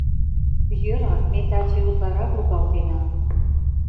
Йӧра, ме таче утларак лугалтена.